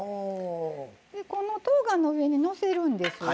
このとうがんの上にのせるんです。